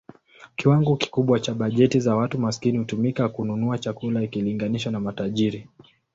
Kiwango kikubwa cha bajeti za watu maskini hutumika kununua chakula ikilinganishwa na matajiri.